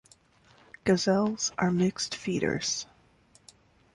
Gazelles are mixed feeders.